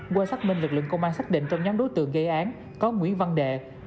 qua xác minh lực lượng công an xác định trong nhóm đối tượng gây án có nguyễn văn đệ